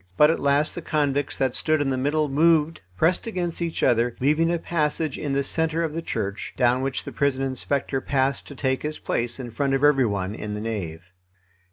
But at last the convicts that stood in the middle moved, pressed against each other, leaving a passage in the centre of the church, down which the prison inspector passed to take his place in front of every one in the nave.